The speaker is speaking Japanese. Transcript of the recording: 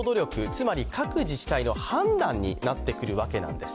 つまり各自治体の判断になってくるわけなんです。